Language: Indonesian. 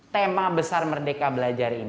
tema besar merdeka belajar